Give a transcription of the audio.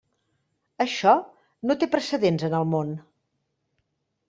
Això no té precedents en el món.